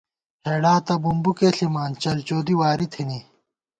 ہېڑہ تہ بُمبُکےݪِمان چلچودی واری تھنی